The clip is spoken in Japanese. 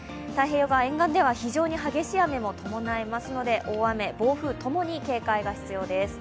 太平洋側沿岸では非常に激しい雨も伴いますので、大雨、暴風ともに警戒が必要です。